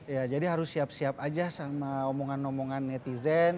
ya jadi harus siap siap aja sama omongan omongan netizen